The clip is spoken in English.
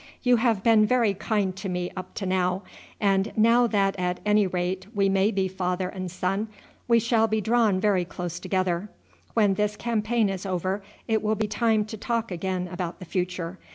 "You have been very kind to me up to now, and now that at any rate we may be father and son we shall be drawn very close together. When this campaign is over it will be time to talk again about the future.